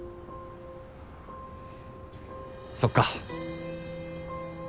そっか。